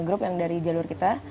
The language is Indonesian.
grup yang dari jalur kita